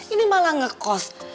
ini malah ngekos